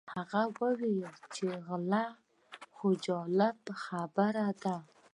هغه وویل چې غلا خو جالبه خبره ده.